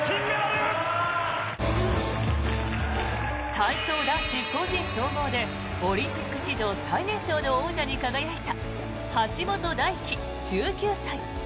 体操男子個人総合でオリンピック史上最年少の王者に輝いた橋本大輝、１９歳。